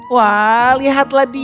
wah lihatlah dia